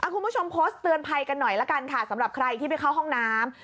คุณผู้ชมโพสต์เตือนภัยกันหน่อยละกันค่ะสำหรับใครที่ไปเข้าห้องน้ำ